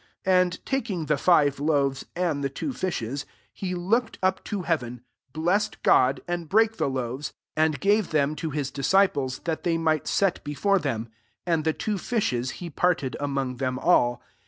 41 And taking the five loaves and the two fishes, he looked up to heaven, blessed G«d, and brake the loaves, and gave them to his disciples that u MARK VU. ihey might set before tJiem ; 9hd the two fishes he parted among them all.